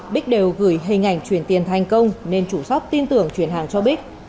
bích đều gửi hình ảnh chuyển tiền thành công nên chủ shop tin tưởng chuyển hàng cho bích